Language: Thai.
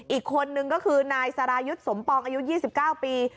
อีกคนนึงก็คือนายสรายุทธ์สมปองอายุ๒๙ปี